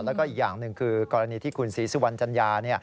แล้วก็อีกอย่างหนึ่งคือกรณีที่คุณศรีสุวรรณจัญญา